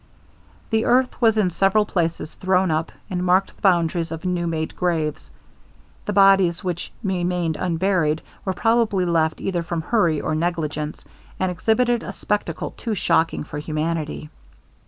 The earth was in several places thrown up, and marked the boundaries of new made graves. The bodies which remained unburied were probably left either from hurry or negligence, and exhibited a spectacle too shocking for humanity.